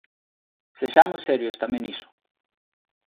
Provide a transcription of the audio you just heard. Sexamos serios tamén niso.